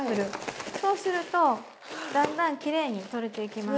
そうするとだんだんきれいに取れていきます。